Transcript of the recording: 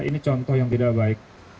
ini contoh yang tidak baik